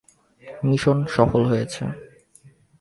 Mission সফল হয়েছে।